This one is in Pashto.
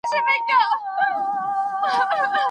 د خپل حق د تر لاسه کولو لپاره پيسې مصرفول د مستحق وجيبه نده.